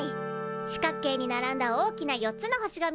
四角形に並んだ大きな４つの星が見えますか？